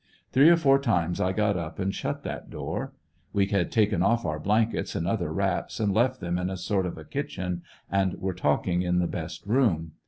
Three or four times I got up and shut that door. We had taken off our blankets and other wraps and left them in a sort of a kitchen, and were talk ing in the best room.